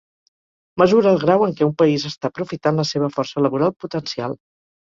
Mesura el grau en què un país està aprofitant la seva força laboral potencial.